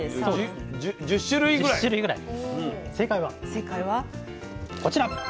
正解はこちら。